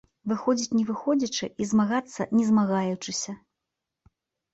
Выходзіць не выходзячы і змагацца не змагаючыся.